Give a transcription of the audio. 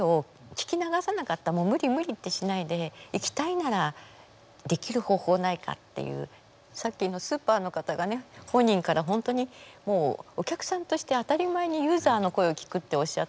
もう無理無理ってしないで行きたいならできる方法ないかっていうさっきのスーパーの方がね本人から本当にもうお客さんとして当たり前にユーザーの声を聞くっておっしゃった。